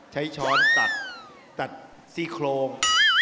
ใช้ช้อนตัดสี่โครง